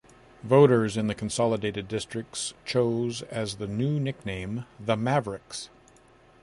Voters in the consolidated districts chose as the new nickname the Mavericks.